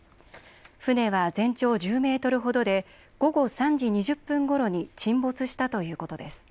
船は全長１０メートルほどで午後３時２０分ごろに沈没したということです。